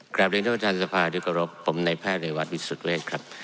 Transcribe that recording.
กราบเรียนเจ้าประชาญสภาดิกรบผมในแพทย์ในวัดวิสุทธเวชครับ